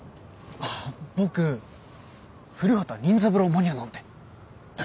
あっ僕『古畑任三郎』マニアなんで。